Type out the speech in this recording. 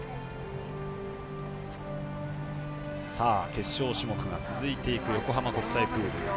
決勝種目が続いていく横浜国際プール。